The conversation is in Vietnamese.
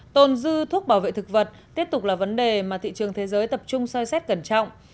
tồn dư thuốc bảo vệ thực vật tiếp tục là vấn đề mà thị trường thế giới tập trung soi xét cẩn trọng